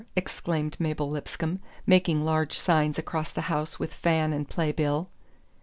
exclaimed Mabel Lipscomb, making large signs across the house with fan and play bill.